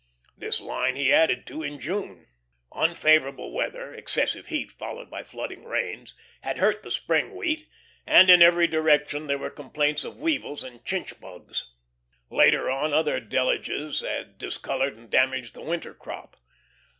This line he added to in June. Unfavorable weather excessive heat, followed by flooding rains had hurt the spring wheat, and in every direction there were complaints of weevils and chinch bugs. Later on other deluges had discoloured and damaged the winter crop.